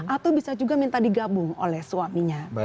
atau bisa juga minta digabung oleh suaminya